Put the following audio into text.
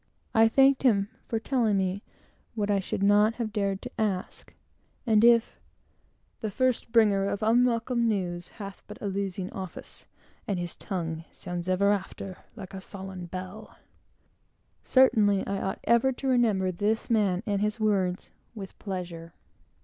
I thanked him for telling me what I should not have dared to ask; and if "the first bringer of unwelcome news Hath but a losing office; and his tongue Sounds ever after like a sullen bell " certainly I shall ever remember this man and his words with pleasure.